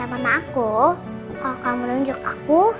mama aku kalau kamu menunjuk aku